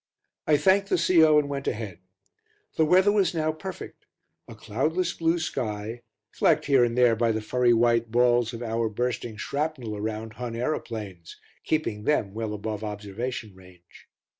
I thanked the C.O. and went ahead. The weather was now perfect a cloudless blue sky flecked here and there by the furry white balls of our bursting shrapnel around Hun aeroplanes, keeping them well above observation range.